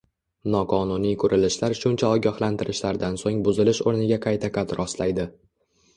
Noqonuniy qurilishlar shuncha ogohlantirilishlardan so`ng buzilish o`rniga qayta qad rostlaydi